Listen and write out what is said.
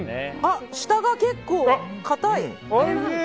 下が結構硬い！